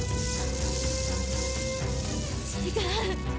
違う。